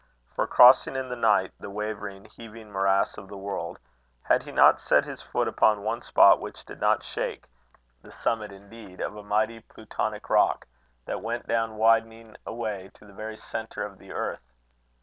For, crossing in the night the wavering, heaving morass of the world, had he not set his foot upon one spot which did not shake; the summit, indeed, of a mighty Plutonic rock, that went down widening away to the very centre of the earth?